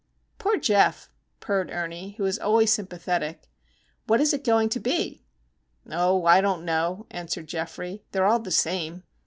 "Poor Geof," purred Ernie, who is always sympathetic. "What is it going to be?" "Oh, I don't know," answered Geoffrey. "They're all the same.